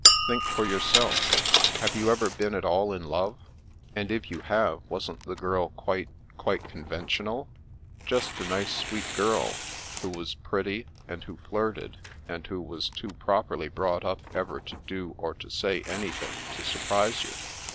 Think for yourself. Have you ever been at all in love? And if you have, wasn't the girl quite, quite conventional ; just a nice sweet girl, who was pretty, and who flirted, and who was too properly brought up ever to do or to say anything to surprise you?"